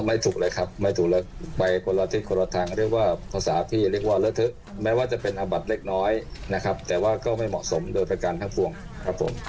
ไม่ถูกเลยครับไม่ถูกเลยไปคนละทิศคนละทางเรียกว่าภาษาที่เรียกว่าเลอะเทอะแม้ว่าจะเป็นอาบัติเล็กน้อยนะครับแต่ว่าก็ไม่เหมาะสมโดยประการทั้งปวงครับผม